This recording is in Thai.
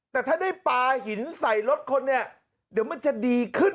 แต่ถ้าได้ปลาหินใส่รถคนเนี่ยเดี๋ยวมันจะดีขึ้น